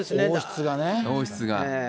王室がね。